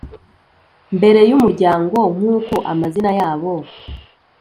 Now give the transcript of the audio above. Mbere y umuryango nk uko amazina yabo